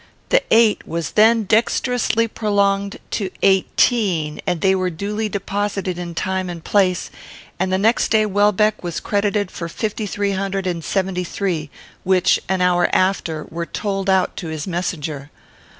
The eight was then dexterously prolonged to eigh_teen_; they were duly deposited in time and place, and the next day Welbeck was credited for fifty three hundred and seventy three, which, an hour after, were told out to his messenger.